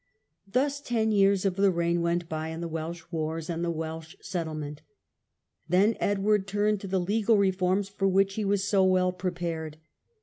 Thus ten years of the reign went by in the Welsh wars and the Welsh settlement Then Edward turned to the legal reforms, for which he was so well prepared.